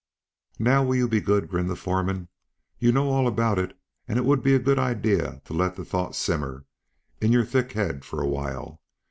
"Now will you be good?" grinned the foreman. "You know all about it, and it would be a good idea to let the thought simmer in your thick head for a while.